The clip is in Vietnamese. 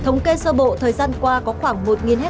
thống kê sơ bộ thời gian qua có khoảng một ha